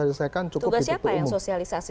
selesaikan cukup tugas siapa yang sosialisasi